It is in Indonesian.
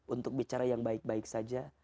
untuk bicara yang baik baik saja